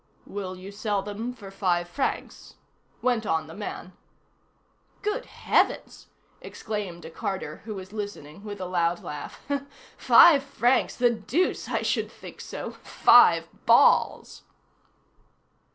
"Will you sell them for five francs?" went on the man. "Good heavens!" exclaimed a carter who was listening, with a loud laugh; "five francs! the deuce, I should think so! five balls!"